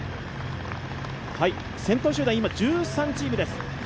先頭集団、今、１３チームです。